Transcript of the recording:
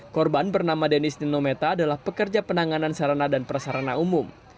korban bernama dennis ninometa adalah pekerja penanganan sarana dan prasarana umum